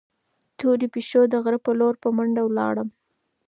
تورې پيشو د غره په لور په منډه لاړه.